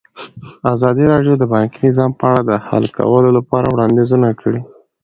ازادي راډیو د بانکي نظام په اړه د حل کولو لپاره وړاندیزونه کړي.